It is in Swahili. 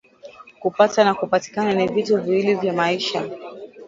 Kupata na kupatikana ni vitu viwili vya maisha